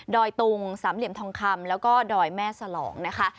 อยตุงสามเหลี่ยมทองคำแล้วก็ดอยแม่สลองนะคะ